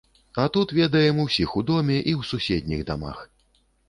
А тут ведаем усіх у доме, і ў суседніх дамах.